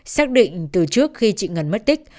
xác định từ trước khi chị ngân mất tích